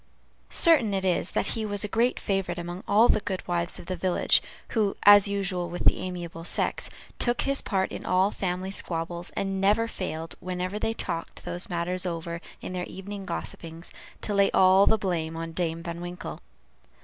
Certain it is, that he was a great favorite among all the good wives of the village, who, as usual with the amiable sex, took his part in all family squabbles, and never failed, whenever they talked those matters over in their evening gossipings, to lay all the blame on Dame Van Winkle.